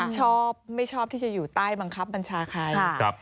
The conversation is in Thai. ชอบไม่ชอบที่จะอยู่ใต้บังคับบัญชาใคร